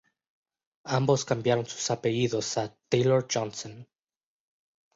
Ambos cambiaron sus apellidos a "Taylor-Johnson".